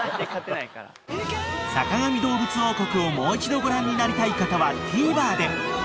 ［『坂上どうぶつ王国』をもう一度ご覧になりたい方はＴＶｅｒで］